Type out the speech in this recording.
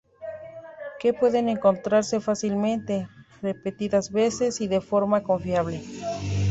Que puedan encontrarse fácilmente, repetidas veces, y de forma confiable.